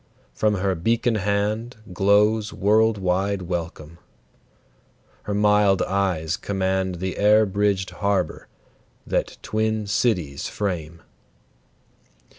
From her beacon hand Glows world wide welcome; her mild eyes command The air bridged harbor, that twin cities frame.